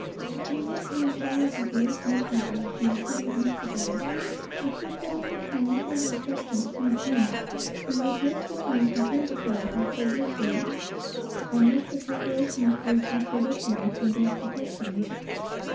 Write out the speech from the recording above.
He lent me a file of late newspapers from the city of Mexico, which were full of triumphal receptions of Santa Ana, who had just returned from Tampico after a victory, and with the preparations for his expedition against the Texans.